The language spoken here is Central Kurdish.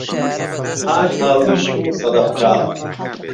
پاک ئاوریشم و سەدهفکار